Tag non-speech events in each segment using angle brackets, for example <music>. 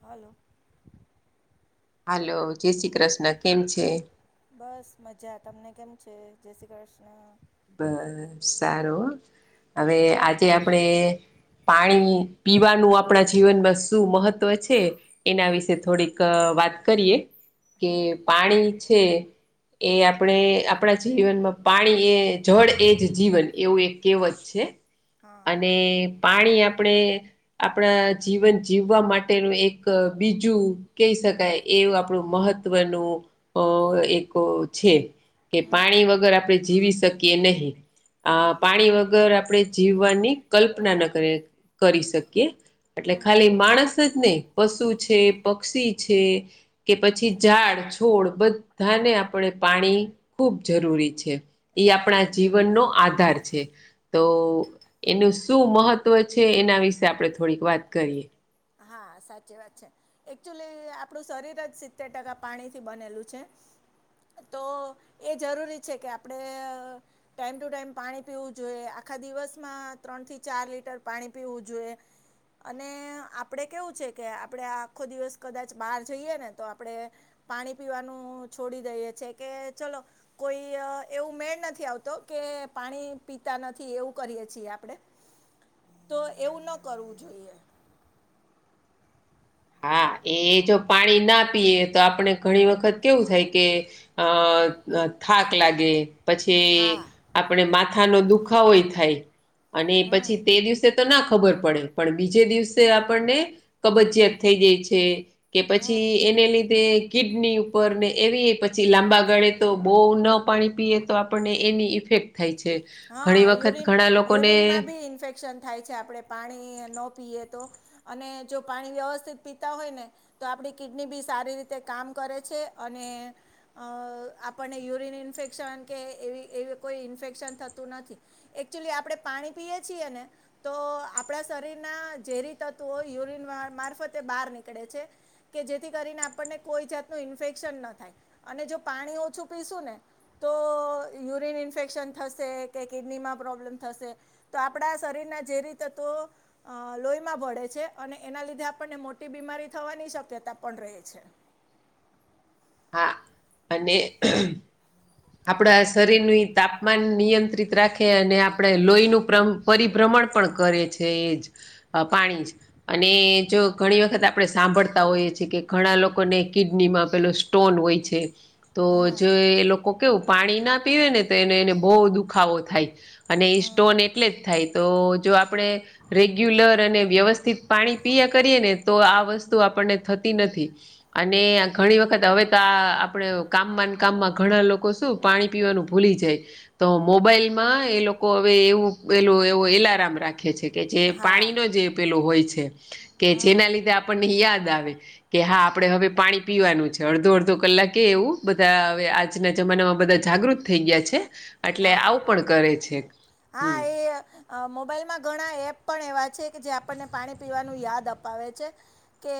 Hello હાલો જય શ્રી કૃષ્ણ કેમ છે? બસ મજા, તમને કેમ છે? જય શ્રી કૃષ્ણ. બસ સારું હ હવે આજે આપડે પાણી પીવાનું આપણા જીવનમાં શું મહત્વ છે. એના વિશે થોડીક વાત કરીએ કે પાણી છે એ આપણે આપણા જીવનમાં પાણી એ જળ એ જ જીવન એવું એક કહેવત છે હા અને પાણી આપડે આપણા જીવન જીવવા માટેનું એક બીજું કહી શકાય એવું આપણું મહ મહવનું અ એક છે. કે હમ પાણી વગર આપણે જીવી શકીએ નહી આ પાણી વગર આપણે જીવવાની કલ્પના ન કરી કરી શકીએ એટલે હમ ખાલી માણસ જ નહી પશુ છે પક્ષી છે, કે પછી ઝાડ છોડ બધાને આપણે પાણી ખૂબ જરૂરી છે. એ આપણા જીવનનો આધાર છે. તો એનું શું મહત્વ છે એના વિશે આપણે થોડીક વાત કરીએ. હા સાચી વાત છે. એકચ્યુઅલી આપણું શરીર જ સિત્તેર ટકા પાણીથી બનેલું છે. તો એ જરૂરી છે કે આપણે ટાઈમ ટુ ટાઈમ પાણી પીવું જોઈએ આખા દિવસમાં ત્રણ થી ચાર લીટર પાણી પીવું જોઈએ. અને આપડે કેવું છે કે આપડે આખો દિવસ કદાચ બહાર જઈએ ને તો આપડે પાણી પીવાનું છોડી દઈએ છે કે ચલો કોઈ એવું મેળ નથી આવતો કે પાણી પીતા નથી એવું કરીયએ છીએ આપડે <inaudible> તો એવું ન કરવું જોઈએ. હા એ જો પાણી ના પીએ તો આપણે ઘણી વખત કેવું થાય કે અ થાક લાગે પછી હા આપણે માથાનોો દુખાવોય થાય અને હમ પછી તે દિવસે તો ના ખબર પડે પણ બીજે દિવસે આપણને કબજયાત થઈ જાય છે કે હમ પછી એને લીધે કિડની ઉપર ને એવી પછી લાંબા ગાળે તો બહુ ન પાણી પીએ તો આપણને એની ઇફેક્ટ થાય છે. ઘણી હા વખત યુરિન ઘણા લોકોને યુરિનમાં બી ઇન્ફેક્શન થાય છે આપણે પાણી ન પીએ તો અને જો પાણી વ્યવસ્થિત પીતા હોય ને તો આપડી કિડની બી સારી રીતે કામ કરે છે અને આપણને યુરિન ઇન્ફેક્શન કે એવી એવી કોઈ ઇન્ફેક્શન થતું નથી એકચુલી આપણે પાણી પીએ છીએ ને તો આપણા શરીરના ઝેરી તત્વો યુરિન મારફતે બહાર નીકળે છે. કે જેથી કરીને આપણને કોઈ જાતનું ઇન્ફેક્શન ન થાય અને જો પાણી ઓછું પીશું ને તો યુરીન ઇન્ફેક્શન થશે. કે કિડનીમાં પ્રોબ્લેમ થશે તો આપણા શરીરના જેરી તત્વો અ લોહીમાં ભળે છે અને એના લીધે આપણને મોટી બીમારી થવાની શક્યતા પણ રહે છે. હા અને આપણા શરીરની તાપમાન નિયંત્રિત રાખે અને આપણે લોહીનું પ્ર પરિભ્રમણ પણ કરે છે એ જ પાણી. અને જો ઘણી વખત આપણે સાંભળતા હોઈએ છીએ કે ઘણા લોકોને કિડની માં પેલો સ્ટોન હોય છે તો હમ જો એ લોકો કેવું પાણી ના પીવે ને તો એને એને બહ દુખાવો થાય અને એ હમ સ્ટોન એટલે જ થાય તો જો આપણેે રેગ્યુલર અને વ્યવસ્થિત પાણી પીયા કરીએ ને તો આ વસ્તુ આપણને થતી નથી. અને ઘણી વખત હવે તો આ આપણે કામમાંનકામમાં ઘણા લોકો શું પાણી પીવાનું ભૂલી જાય તો મોબાઈલ માં એ લોકો હવે એવું એલું એવ એલાર્મ રાખે છે. કે જે હા પાણીનો જે પેલો હોય છે કે હમ જેના લીધે આપણને યાદ આવે. કે હા આપડણે હવે પાણી પીવાનું છે અડધો અડધો કલાકે એવું બધા હ આજના જમાનામાં બધા જાગૃત થઈ ગયા છે એટલે હા આવું પણ કરે છે. હા હમ એ મોબાઈલમાં ઘણા એપ પણ એવા છે કે જે આપણને પાણી પીવાનું યાદ અપાવે છે. કે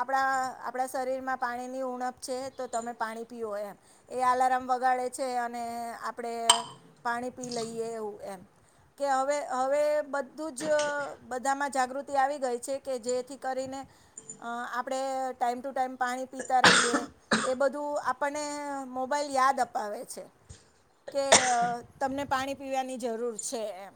આપણા આપણા શરીરમાં પાણીની ઉણપ છે તો તમે પાણી પીઓ એમ. એ આલાર્મ વગાડે છે અને આપણેે પાણી પી લઈએ એવું એમ. કે હવે હવે બધું જ બધામાં જાગૃતિ આવી ગઈ છે કે જેથી કરીને આપણે ટાઈમ ટુ ટાઈમ પાણી પીતા રહીએ એ બધું આપણને મોબાઈલ યાદ અપાવે છે. કે તમને પાણી પીવાની જરૂર છે, એમ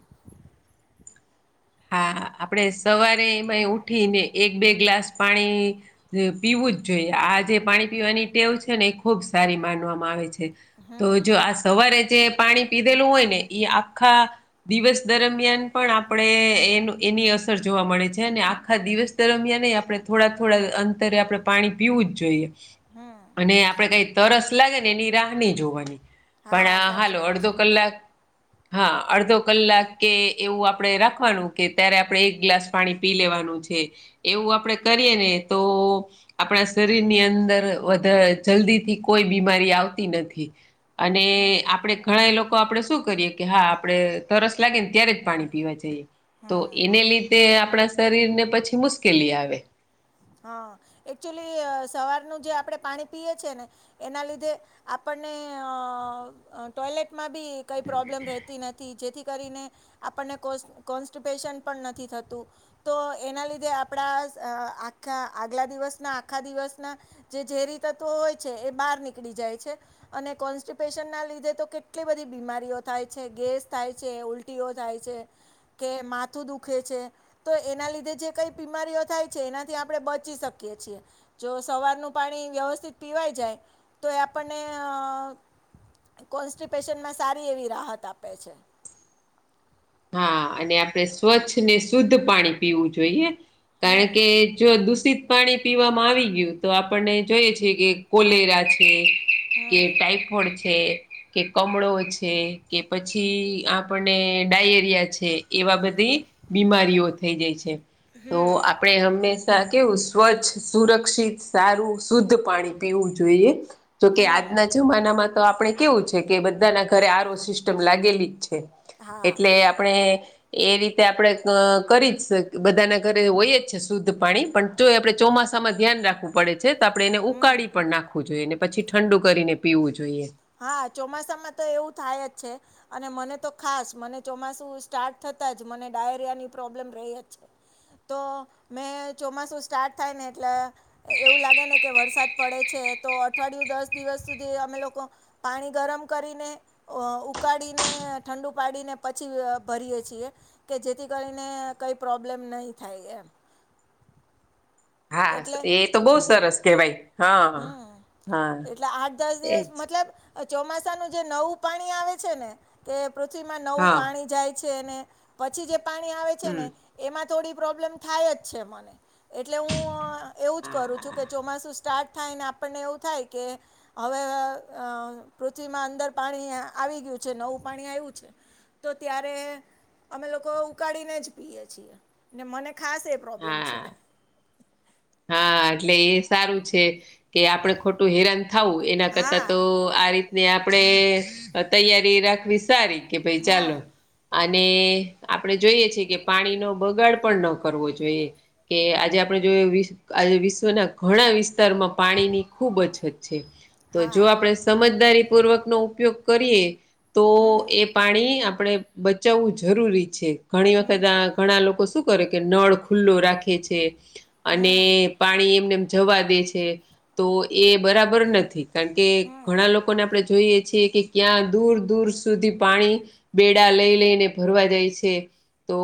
હા આપણેે સવારે એમાં ઉઠીને એક બે ગ્લાસ પાણી પીવું જ જોઈએ આ જે પાણી પીવાની ટેવ છે ને એ ખુબ સારી માનવામાં આવે છે. તો હમ જો આજ સવારે જે પાણી પીધેલું હોય ને એ આખા દિવસ દરમિયાન પણ આપણેે એ એની અસર જોવા મળે છે અને આખા દિવસ દરમિયાન આપણે થોડા થોડા અંતરે આપણે પાણી પીવું જ જોઈએ હમ અને આપણેે કઈ તરસ લાગે ને એની રાહની જોવાની હા પણ સાચી હાલો વાત છે અડધો કલાક હા અડધો કલાક કે એવું આપડે રાખવાનુ કે ત્યારે આપડણે એક ગ્લાસ પાણી પી લેવાનું છે એવું આપડે કરીએ ને તો આપણા શરીરની અંદર વધારે જલ્દી થી કોઈ બીમારી આવતી નથી અને આપણે ઘણા એ લોકો આપડે શું કરીએ કે હા આપડે તરસ લાગે ને ત્યારે જ પાણી પીવા જઈએ. તો હમ એને લીધે આપણા શરીર ને પછી મુશ્કેલી આવે હા એકચુલી સવારનું જે આપણે પાણી પીએ છીએ ને એના લીધ આપણને ટોયલેટમાં બી કંઈ પ્રોબ્લેમ રહેતી નથી જેથી કરીને આપણને કો કોન્સ્ટપેશન પણ નથી થતુ. તો એના લીધે આપણા આખા આગલા દિવસના આખા દિવસના જે ઝેરી તત્વો હોય છે એ બહાર નીકળી જાય છે. અને કોન્સ્ટિપેશન ના લીધે તો કેટલી બધી બીમારીઓ થાય છે ગેસ થાય છે ઉલ ટીઓ થાય છે. કે માથું દુખે છે તો એના લીધે જે કઈ બીમારીઓ થાય છે એના થી આપણે બચી શકીએ છી જો સવારનું પાણી વ્યવસ્થિત પીવાઈ જાય. તો એ આપણને અ કોન્સ્ટિપેશનમાં સારી એવી રાહત આપે છે. હા અને આપણેે સ્વચ્છ ને શુદ્ધ પાણી પીવું જોઈએ હમ કારણ કે જો દુષિત પાણી પીવામાં આવી ગયું તો આપણને જોઈએ છે કે કોલેરા છે. કે હમ ટાઈફોડ છે. કે કમળો છે કે પછી આપને ડાયક એવા બધી બીમારીઓ થઈ જાય છે, તો આપ આપણે હંમેશા કેવું સ્વચ્છ સુરક્ષિત સારું શુદ્ધ પાણી પીવું જોઈએ. જોકે હમ આજના જમાનામાં તો આપણે કેવું છે, કે બધાના ઘરે આરો સિસ્ટમ લાગેલી જ છે. હા એટલે આપણે એ રીતે આપણે કરી જ બધાના ઘરે હોય જ છે, શુદ્ધ પાણી પણ જો આપણે ચોમાસામાં ધ્યાન રાખવુ પડે છે તો આપડણે એને હમ ઉકાળી પણ નાખવું જોઈએ ને પછી ઠંડુ કરીને પીવું જોઈએ. હા ચોમાસામાં તો એવું થાય જ છે. અને મને તો ખાસ મને ચોમાસું સ્ટાર્ટ થતા જ મને ડાયરિયા ની પ્રોબ્લેમ રહી જ છે. તો મેં ચોમાસું સ્ટાર્ટ થાય ને એટલે એવું લાગે ને કે વરસાદ પડે છે, તો અઠવાડિયું દસ દિવસ સુધી અમે લોકો પાણી ગરમ કરીને અ ઉકાળીને ઠંડુ પાડીને પછી ભરીએે છીએ. કે જેથી કરીને કઈ પ્રોબ્લેમ નહી થાય એમ હા એટલે એ તો બહુ સરસ કેહેવાય હમ એટલે આઠ દસ દિવસ એજ મતલબ ચોમાસાનુંું જે નવું પાણી આવે છેને. કે પૃથ્વીમાં નવું હા પાણી જાય છે ને પછી જે પાણી આવે છેને. હમ એમાં થોડી પ્રોબ્લેમ થાય જ છે મને એટલે હું એવું જ કરું હા છું કે ચોમાસુ સ્ટાર્ટ થાય ને આપણને એવું થાય કે હવે અ પૃથ્વીમાં અંદર પાણી આવી ગયું છે નવું પાણી આવ્યું છે. તો ત્યારે અમે લોકો ઉકાળીને જ પીએ છીએ ને મને ખાસ એ પ્રોબ્લેમ છે. હા હા એટલે એ સારું છે કે આપણે ખોટું હેરાન થાવું એના કરતા હા તો આ રીતને આપડે અ તૈયારી રાખવી સારી કે ભાઈ હ ચાલો અને આપણે જોઈએ છેએ કે પાણીનો બગાડ પણ ન કરવો જોઈએ. કે આજે આપડે જોય વીસ આજે વિશ્વના ઘણા વિસ્તારમાં પાણીની ખૂબ અછત છે તો હા જો આપણે સમજદારી પૂર્વકનો ઉપયોગ કરીએ તો હમ એ પાણી આપણે બચાવવું જરૂરી છે ઘણી હમ વખત આ ઘણા લોકો શું કરે કે નળ ખુલ્લો રાખે છે. અને હમ પાણી એમને એમ જવા દે છે તો એ બરાબર નથી. કાકે હમ ઘણા લોકોને આપણે જોઈએ છીએ કે કયાં દૂર દૂર સુધી પાણી બેડા લઈ લઈને ભરવા જાય છે. તો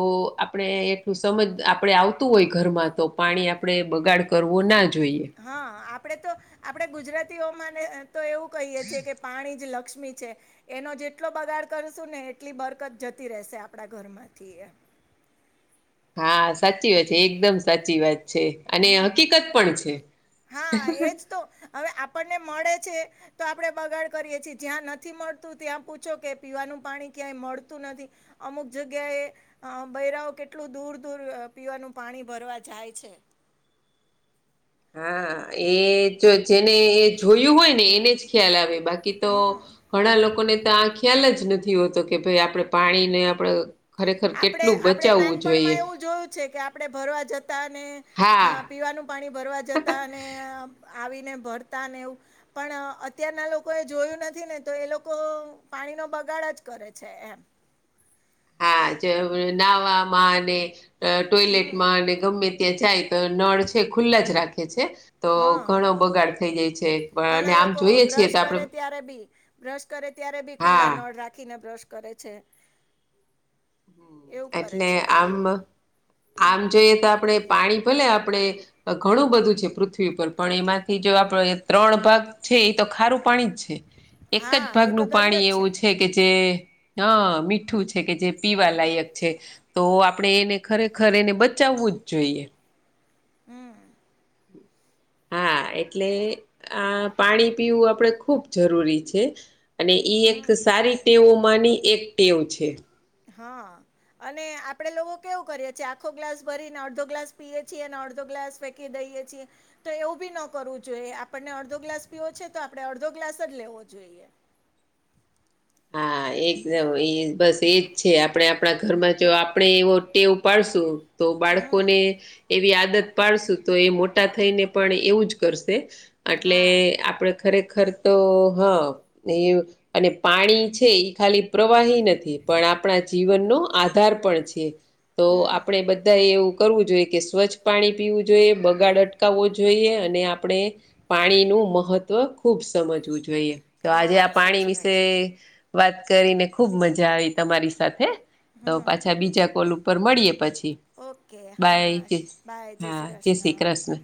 આપણે એટલું સમજ આપડે આવતું હોય ઘરમાં તો પાણી આપણે બગાડ કરવો ના જોઈએ. હા આપડે તો આપણેે ગુજરાતીઓ માને તો એવું કહીએ છીએ કે પાણી જ લક્ષ્મી છે. એનો જેટલો બગાડ કરશું ને એટલી બરકત જતી રહેશે આપણા ઘરમાંથી એ હા સાચી વાત છે એકદમ સાચી વાત છે અને હકીકત પણ છે. હા <unintelligible> એજ તો હવે આપણને મળે છે. તો આપણે બગાડ કરીએ છીએ જ્યાં નથી મળતું ત્યાં પૂછો કે પીવાનું પાણી ક્યાંય મળતું નથી અમુક જગ્યાએ અ બૈરાઓ કેટલું દૂર દૂર અ પીવાનું પાણી ભરવા જાય છે. હા એ જો જેને એ જોયું હોય ને એને જ ખ્યાલ આવે. બાકી તો હમ ઘણા લોકોને તો આ ખ્યાલ જ નથી. યો તો કે ભાઈ આપણે પાણી ને આપડ આપણે આપણેે નાનપણમાં એવું જોયું છે કે આપડણે ભરવા જતા ને હા અ પીવાનું પાણી ભરવા જતા અને અ આવીને ભરતા અને એવું પણ અ અત્યારના લોકો એ જોયું નથી ને તો એ લોકો પાણીનો બગાડ જ કરે છે એમ હા જે વ નહવામાં અને ટો હમ ટોયલેટમાં અને ગમે ત્યાં જાય ન નળ છે ખુલ્લા જ રાખે છે. તો હા ઘણો બગાડ થઈ જાય છે પણ અને ઘણા આમ લોકો જોઈએ છીએ બ્રશ તો આપડે કરે ત્યારે બી. બ્રશ કરે ત્યારે બી ખુલ્લા હા નળ રાખીને બ્રશ કરે છે. એવું કરે એટલે છે આમ આમ હમ જોઈએ તો આપડે પાણી ભલે આપણે ઘણું બધું છે પૃથ્વી ઉપર પણ એમાંથી જો આપડે ત્રણ ભાગ છે એ તો ખારું પાણી જ છે એક જ હા એ તો ભાગનું દરિયો પાણી જ એવું છે. કે જે હ મીઠું છે કે જે પીવાલાયક છે તો આપણે એને ખરેખર એને બચાવવું જ જોઈએ. હમ. <inaudible> હા એટલે આ પાણી પીવું આપણે ખૂબ જરૂરી છે. અને ઈ એક હમ સારી ટેવોમાંની એક ટેવ છે. હા. અને આપડે લોકો કેવું કરીએે છે આખો ગ્લાસ ભરીને અડધો ગ્લાસ પીએે છીએ અને અડધો ગ્લાસ કે દહીએ છી તો એવું બી ન કરવું જોઈએ આપણને અડધો ગ્લાસ પીવો છે તો આપડણે અડધો ગ્લાસ જ લેવો જોઈએ. હા એકદમ એ બસ એજ છે આપડણે આપણા ઘરમાં જો આપણે એવો ટેવઉ પાડશું તો બાળકોને હમ એવી આદત પાડશું તો એ મોટા થઈને પણ એવું જ કરશે અટલે હા આપણે ખરેખર તો હા એ અને પાણી છે એ ખાલી પ્રવાહી નથી પણ આપણા જીવનનો આધાર પણ છે. તો હમ આપડે બધા એવું કરવું જોઈએ કે સ્વચ્છ પાણી પીવું જોઈએ બગાડ અટકાવવો જોઈએ અને આપણે પાણીનું મહત્વ ખુબ સમજવું જોઈએ તો આજે આ હા પાણી સાચી વિશ વાત છે શે વાત કરીને ખુબ મજા આવી તમારી સાથે. તો હમ પાછા બીજા કોલ ઉપર મળીએે પછી. ઓકે બાય હા જેશ બાય જય હા જી કૃષ્ણ શ્રી ક્રશ્ર્ન.